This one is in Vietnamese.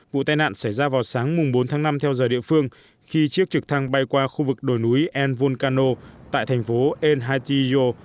vụ tai nạn xảy ra vào sáng bốn tháng năm theo giờ địa phương khi chiếc trực thăng bay qua khu vực đồi núi el vulcano tại thành phố el haitillo